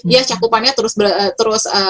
ya cakupannya terus